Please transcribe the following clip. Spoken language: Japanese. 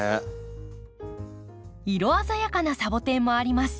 色鮮やかなサボテンもあります。